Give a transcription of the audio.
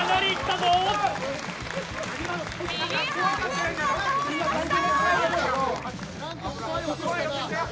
右半分が倒れました。